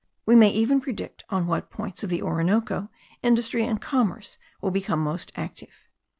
We may even predict on what points of the Orinoco industry and commerce will become most active.